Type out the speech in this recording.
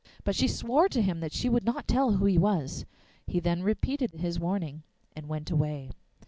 But she swore to him that she would not tell who he was. He then repeated his warning and went away.